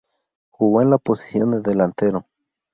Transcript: Jugó en la posición de delantero.